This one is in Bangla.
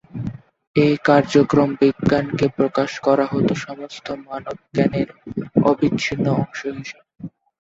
এই কার্যক্রমে বিজ্ঞানকে প্রকাশ করা হতো সমস্ত মানব জ্ঞানের অবিচ্ছিন্ন অংশ হিসেবে।